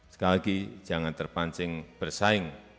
sekali lagi jangan terpancing bersaing